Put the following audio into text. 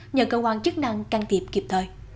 nhờ cơ quan chức năng can thiệp kịp thời